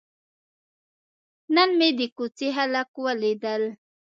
نن مې د کوڅې خلک ولیدل.